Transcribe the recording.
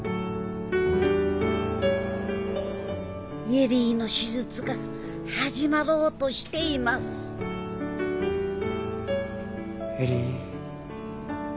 恵里の手術が始まろうとしています恵里。